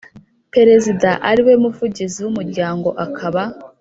Perezida Ariwe Muvugizi W Umuryango Akaba